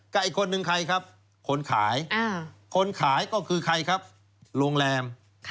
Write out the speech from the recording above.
กับอีกคนนึงใครครับคนขายคนขายก็คือใครครับโรงแรม